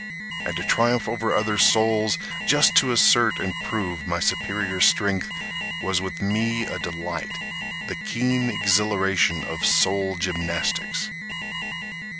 And to triumph over other souls, Just to assert and prove my superior strength, Was with me a delight, The keen exhilaration of soul gymnastics.